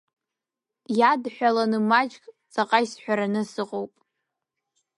Иадҳәаланы маҷк ҵаҟа исҳәараны сыҟоуп.